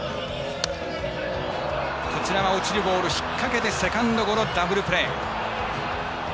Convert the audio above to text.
こちらは落ちるボール引っ掛けてセカンドゴロ、ダブルプレー。